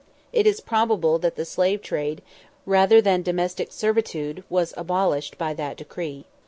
It is probable that the slave trade, rather than domestic servitude, was abolished by that decree.